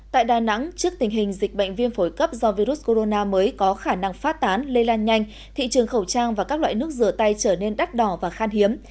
tại đà nẵng trước tình hình dịch bệnh viêm phổi cấp do virus corona mới có khả năng phát tán lây lan nhanh thị trường khẩu trang và các loại nước rửa tay trở nên đắt đỏ và khan hiếm